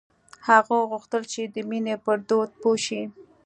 هغه غوښتل چې د مینې پر درد پوه شي